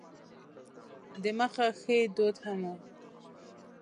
د مخه ښې دود هم و.